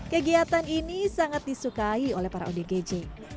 kegiatan ini sangat disukai oleh para odgj